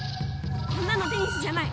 こんなのテニスじゃない！